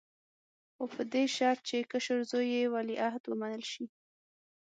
خو په دې شرط چې کشر زوی یې ولیعهد ومنل شي.